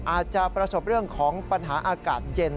อาจจะประสบเรื่องของปัญหาอากาศเย็น